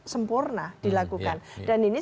sempurna dilakukan dan ini